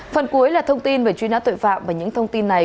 phần cuối là thông tin về truy nã tội phạm và những thông tin này